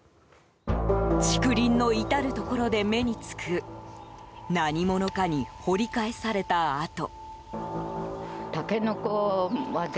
竹林のいたるところで目に付く何者かに掘り返された跡。